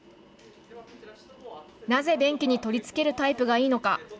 なぜ便器に取り付けるタイプがいいのか。